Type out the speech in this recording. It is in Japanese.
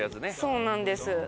そうなんです。